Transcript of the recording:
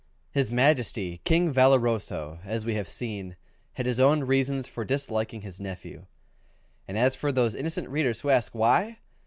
His Majesty, King Valoroso, as we have seen, had his own reasons for disliking his nephew; and as for those innocent readers who ask why?